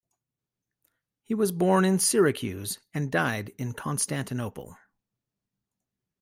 He was born in Syracuse and died in Constantinople.